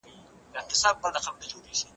که فلسفه نه وای، نو نور علوم به نه پيدا کيدل.